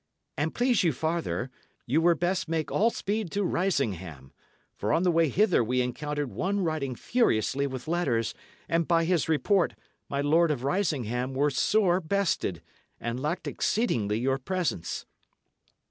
"And please you farther, ye were best make all speed to Risingham; for on the way hither we encountered one riding furiously with letters, and by his report, my Lord of Risingham was sore bested, and lacked exceedingly your presence."